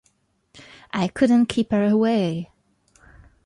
I couldn't keep her away.